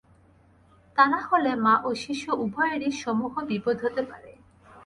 তা না হলে মা ও শিশু উভয়েরই সমূহ বিপদ হতে পারে।